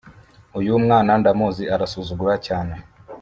Uyu mwana ndamuzi arasuzugura cyane